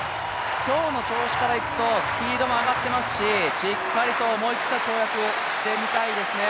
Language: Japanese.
今日の調子からいくとスピードも上がってますししっかりと思い切った跳躍してみたいですね。